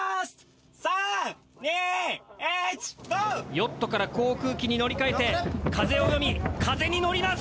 ヨットから航空機に乗り換えて風を読み風に乗ります！